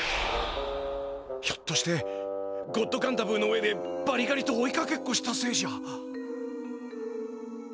ひょっとしてゴッドガンダブーの上でバリガリと追いかけっこしたせいじゃ。